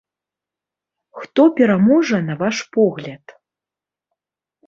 Хто пераможа на ваш погляд?